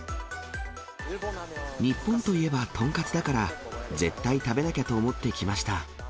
日本といえば豚カツだから、絶対食べなきゃと思って来ました。